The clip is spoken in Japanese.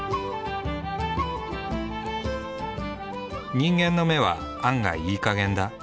人間の目は案外いいかげんだ。